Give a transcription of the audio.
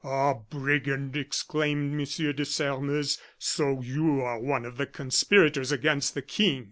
"Ah, brigand!" exclaimed M. de Sairmeuse, "so you are one of the conspirators against the King!"